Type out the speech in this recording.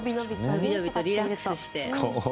のびのびとリラックスして。